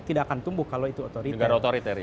tidak akan tumbuh kalau itu otoriter otorita